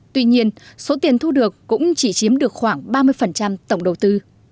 tuy nhiên số tiền thu được cũng chỉ chiếm được khoảng ba mươi tổng đầu tư